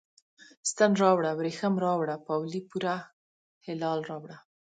ستن راوړه، وریښم راوړه، پاولي پوره هلال راوړه